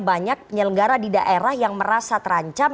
banyak penyelenggara di daerah yang merasa terancam